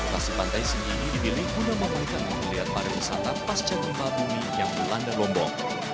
pasir pantai sendiri dibilih guna memanjakan kemuliaan para wisata pasca tempat bumi yang berlanda lombok